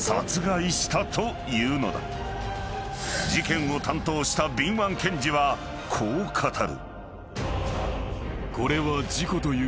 ［事件を担当した敏腕検事はこう語る］